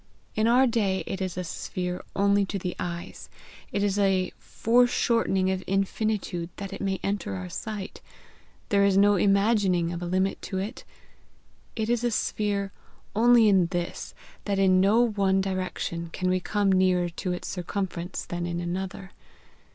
In our day it is a sphere only to the eyes; it is a foreshortening of infinitude that it may enter our sight; there is no imagining of a limit to it; it is a sphere only in this, that in no one direction can we come nearer to its circumference than in another.